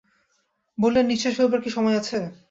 বললে, নিশ্বাস ফেলবার কি সময় আছে।